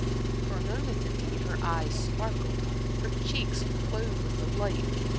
For a moment, indeed, her eyes sparkled, her cheeks glowed with delight.